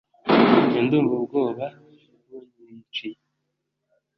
njye ndumva ubwoba bunyiyiciye